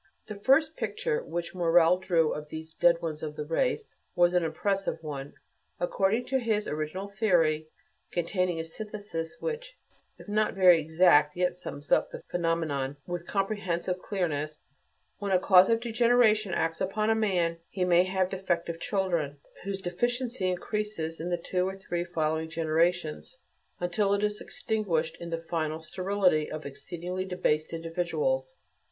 The first picture which Morel drew of these "dead ones of the race" was an impressive one. According to his original theory, containing a synthesis which, if not very exact, yet sums up the phenomenon with comprehensive clearness, when a cause of degeneration acts upon a man, he may have defective children, whose deficiency increases in the two or three following generations, until it is extinguished in the final sterility of exceedingly debased individuals.